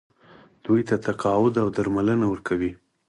دوی ته تقاعد او درملنه ورکوي.